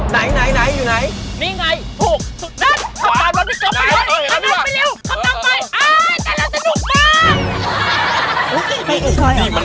เห้ยหนูเคยมากิน